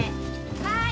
・はい。